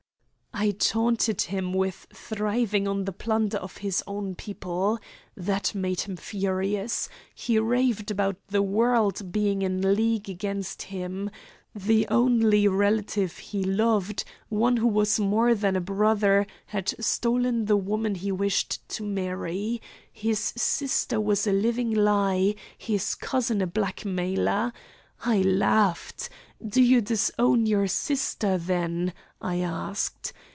"I taunted him with thriving on the plunder of his own people. That made him furious. He raved about the world being in league against him. The only relative he loved, one who was more than brother, had stolen the woman he wished to marry; his sister was a living lie; his cousin a blackmailer. I laughed. 'Do you disown your sister, then?' I asked.